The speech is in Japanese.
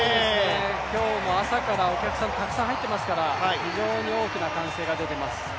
今日も朝からお客さん、たくさん入っていますから、非常に大きな歓声が出ています。